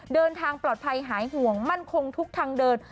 เดินทางปลอดภัยหายห่วงมั่นคงทุกทางเดิน